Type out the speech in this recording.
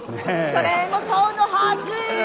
それもそのはずえ